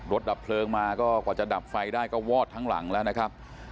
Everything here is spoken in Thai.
ดับเพลิงมาก็กว่าจะดับไฟได้ก็วอดทั้งหลังแล้วนะครับ